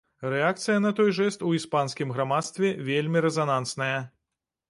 Рэакцыя на той жэст у іспанскім грамадстве вельмі рэзанансная.